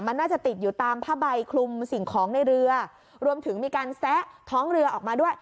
มันน่าจะติดอยู่ตามผ้าใบคลุมสิ่งของในเรือรวมถึงมีการแซะท้องเรือออกมาด้วย